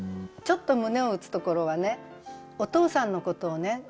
ちょっと胸を打つところはねお父さんのことをね